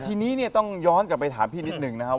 ทีนี้เนี่ยต้องย้อนกลับไปถามพี่นิดหนึ่งนะครับ